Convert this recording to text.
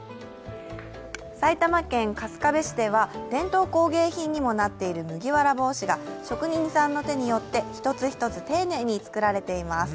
埼玉県春日部市では伝統工芸品にもなっている麦わら帽子が職人さんの手によって一つ一つ丁寧に作られています。